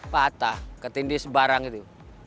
patah ketindih sebarang itu